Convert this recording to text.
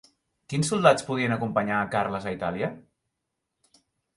Quins soldats podien acompanyar a Carles a Itàlia?